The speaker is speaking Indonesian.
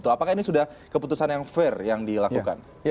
apakah ini sudah keputusan yang fair yang dilakukan